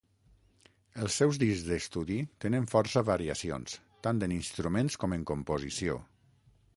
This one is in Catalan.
Els seus discs d'estudi tenen força variacions, tant en instruments com en composició.